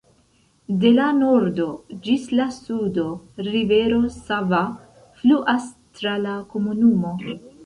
De la nordo ĝis la sudo, rivero Sava fluas tra la komunumo.